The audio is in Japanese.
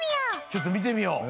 ちょっとみてみよう。